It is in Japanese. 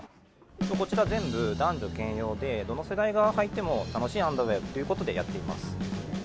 こちら全部男女兼用でどの世代がはいても楽しいアンダーウェアという事でやっています。